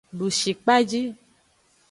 Dushikpaji.